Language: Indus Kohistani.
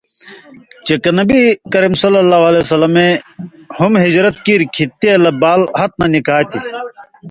چےۡ کہ نبی ﷺ اے ہُم ہِجرت کیریۡ کھیں تے لہ بال ہتہۡ نہ نِکا تھی۔